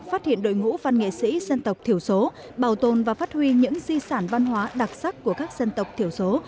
phát hiện đội ngũ văn nghệ sĩ dân tộc thiểu số bảo tồn và phát huy những di sản văn hóa đặc sắc của các dân tộc thiểu số